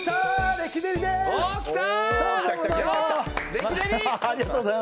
レキデリ！